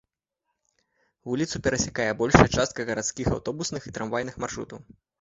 Вуліцу перасякае большая частка гарадскіх аўтобусных і трамвайных маршрутаў.